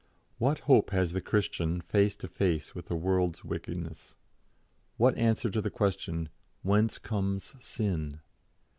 What hope has the Christian face to face with a world's wickedness? what answer to the question, Whence comes sin?